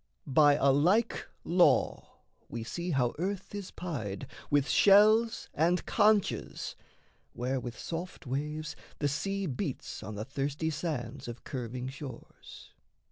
By a like law we see how earth is pied With shells and conchs, where, with soft waves, the sea Beats on the thirsty sands of curving shores.